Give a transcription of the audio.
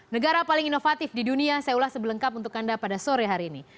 negara paling inovatif di dunia saya ulas sebelengkap untuk anda pada sore hari ini